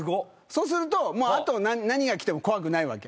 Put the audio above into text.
そうするとあと何がきても怖くないわけ。